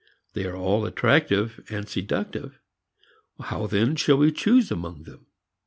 They are all attractive, seductive. How then shall we choose among them?